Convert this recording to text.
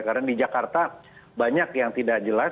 karena di jakarta banyak yang tidak jelas